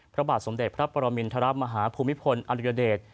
พระบาทสมเด็จพระปรมินทรัพย์มหาภูมิพลอัลยเดช